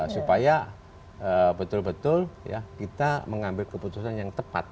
supaya betul betul kita mengambil keputusan yang tepat